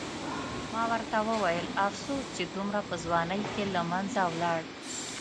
ما ورته وویل: افسوس چې دومره په ځوانۍ کې له منځه ولاړ.